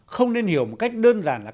không nên hiểu một cách đơn giản là